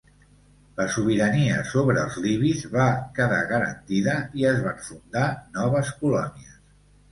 La sobirania sobre els libis va quedar garantida i es van fundar noves colònies.